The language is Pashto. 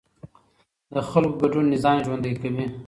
د خلکو ګډون نظام ژوندی کوي